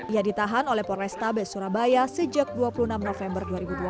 ia ditahan oleh polrestabes surabaya sejak dua puluh enam november dua ribu dua puluh